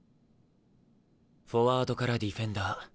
フォワードからディフェンダー。